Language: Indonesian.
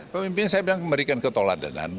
pemimpin saya bilang memberikan ketoladanan